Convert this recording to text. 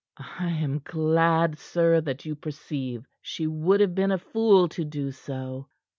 "I am glad, sir, that you perceive she would have been a fool to do so.